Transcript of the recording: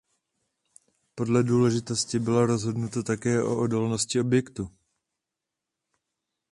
Podle důležitosti bylo rozhodnuto také o odolnosti objektu.